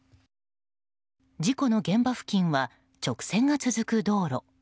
事故の現場付近は直線が続く道路。